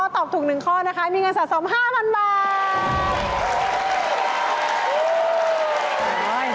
ตอบถูก๑ข้อนะคะมีเงินสะสม๕๐๐๐บาท